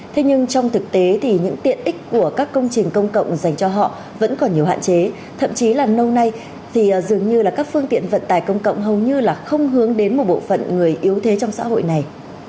thế nhưng trong thực tế thì những tiện ích của các công trình công cộng dành cho họ vẫn còn nhiều hạn chế thậm chí là lâu nay thì dường như là các phương tiện vận tải công cộng hầu như là không hướng đến một bộ phận người yếu thế trong xã hội này